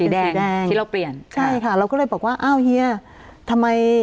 ที่เราเปลี่ยนใช่ค่ะเราก็เลยบอกว่าอ้าวเฮียทำไม